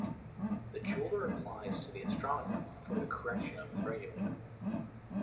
The jeweler applies to the astronomer for the correction of his regulator.